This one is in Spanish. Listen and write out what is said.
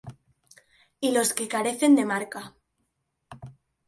Y los que carecen de marca